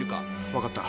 分かった。